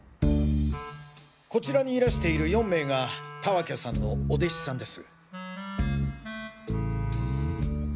こちらにいらしている４名が田分さんのお弟子さんです。